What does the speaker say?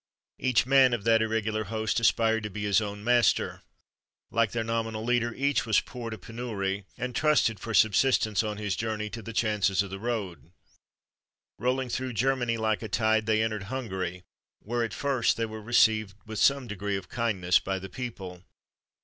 Each man of that irregular host aspired to be his own master. Like their nominal leader, each was poor to penury, and trusted for subsistence on his journey to the chances of the road. Rolling through Germany like a tide, they entered Hungary, where, at first, they were received with some degree of kindness by the people.